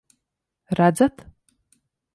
Redzat?